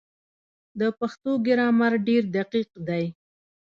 د پښتو ګرامر ډېر دقیق دی.